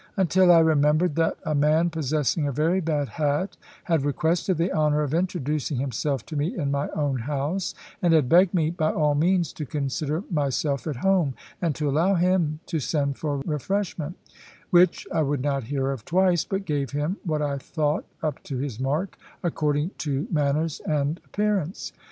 Until I remembered that a man, possessing a very bad hat, had requested the honour of introducing himself to me, in my own house, and had begged me by all means to consider myself at home, and to allow him to send for refreshment, which I would not hear of twice, but gave him what I thought up to his mark, according to manners and appearance.